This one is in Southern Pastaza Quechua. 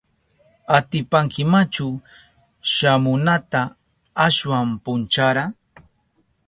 ¿Atipankimachu shamunata ashwan punchara?